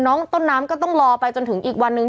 น้องต้นน้ำก็ต้องรอไปจนถึงอีกวันนึง